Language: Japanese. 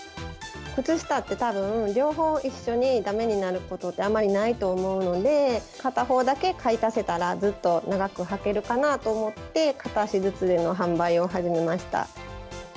靴下って、たぶん、両方一緒にだめになることって、あんまりないと思うので、片方だけ買い足せたら、ずっと長くはけるかなと思って、片足ずつでの販売を始めました。